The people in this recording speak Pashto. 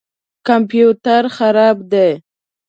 کمپیوټر خراب دی